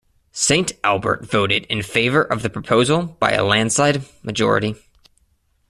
Saint Albert voted in favour of the proposal by a landslide majority.